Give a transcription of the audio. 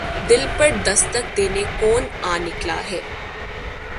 دل پر دستک دینے کون آ نکلا ہے